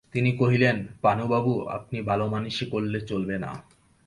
তিনি কহিলেন, পানুবাবু, আপনি ভালোমানষি করলে চলবে না।